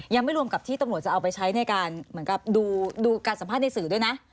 ยังไม่รวมกับที่ตำรวจจะเอาไปใช้ในการเหมือนกับดูการสัมภาษณ์ในสื่อด้วยนะ